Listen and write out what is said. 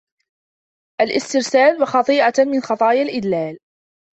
الِاسْتِرْسَالِ ، وَخَطِيئَةٌ مِنْ خَطَايَا الْإِدْلَالِ